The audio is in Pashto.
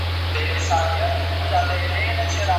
دا د مرګي له چېغو ډکه شپېلۍ